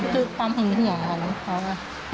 คือความห่วงของเขาค่ะ